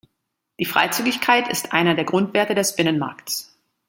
Die Freizügigkeit ist einer der Grundwerte des Binnenmarkts.